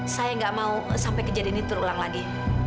saya nggak mau sampai kejadian ini terulang lagi